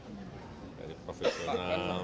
profesional profesional muda sekarang kan banyak pak